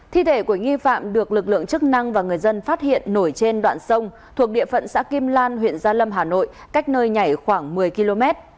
thi thể của nghi phạm được lực lượng chức năng và người dân phát hiện nổi trên đoạn sông thuộc địa phận xã kim lan huyện gia lâm hà nội cách nơi nhảy khoảng một mươi km